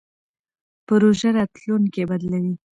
پروژه راتلونکی بدلوي.